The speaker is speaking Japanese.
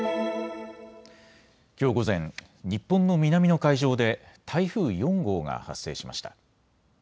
きょう午前、日本の南の海上で台風４号が発生しました。